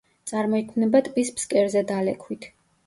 წარმოიქმნება ტბის ფსკერზე დალექვით.